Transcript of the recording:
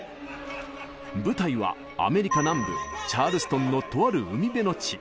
舞台はアメリカ南部チャールストンのとある海辺の地。